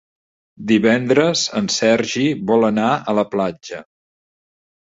Divendres en Sergi vol anar a la platja.